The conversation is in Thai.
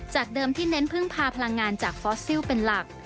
เดิมที่เน้นพึ่งพาพลังงานจากฟอสซิลเป็นหลัก